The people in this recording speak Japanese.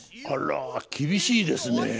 あら厳しいですね。